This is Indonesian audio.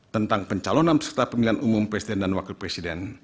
tentang pencalonan peserta pemilihan umum presiden dan wakil presiden